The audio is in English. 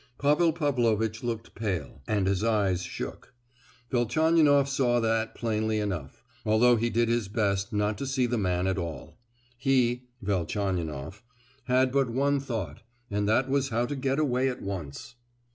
Pavel Pavlovitch looked pale, and his hands shook; Velchaninoff saw that plainly enough, although he did his best not to see the man at all. He (Velchaninoff) had but one thought, and that was how to get away at once!